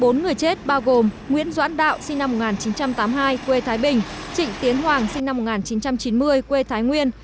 bốn người chết bao gồm nguyễn doãn đạo sinh năm một nghìn chín trăm tám mươi hai quê thái bình trịnh tiến hoàng sinh năm một nghìn chín trăm chín mươi quê thái nguyên